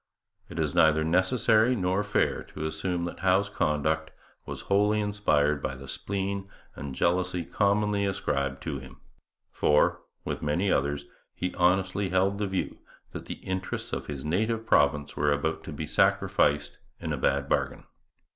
It is neither necessary nor fair to assume that Howe's conduct was wholly inspired by the spleen and jealousy commonly ascribed to him; for, with many others, he honestly held the view that the interests of his native province were about to be sacrificed in a bad bargain.